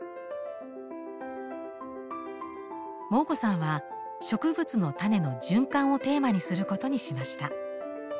モー子さんは植物の種の循環をテーマにすることにしました。